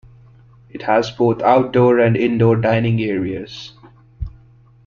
It has both outdoor and indoor dining areas.